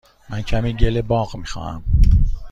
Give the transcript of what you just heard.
من کمی گل باغ می خواهم.